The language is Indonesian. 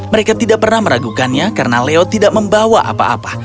mereka tidak pernah meragukannya karena leo tidak membawa apa apa